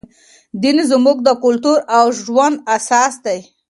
دین زموږ د کلتور او ژوند اساس دی.